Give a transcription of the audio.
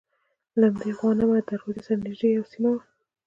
له همدې غوانمه دروازې سره نژدې یوه سیمه ده.